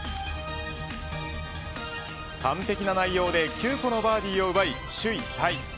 完璧な内容で９個のバーディーを奪い首位タイ。